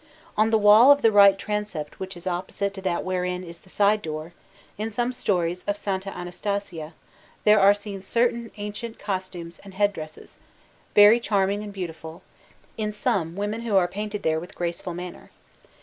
On the wall of the right transept which is opposite to that wherein is the side door, in some stories of S. Anastasia, there are seen certain ancient costumes and head dresses, very charming and beautiful, in some women who are painted there with graceful manner.